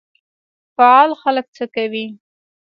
فعال خلک څه کوي؟